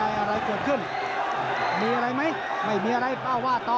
ยังมีอะไรอ่ะอะไรกับขวดขึ้น